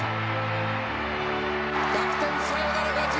逆転サヨナラ勝ち！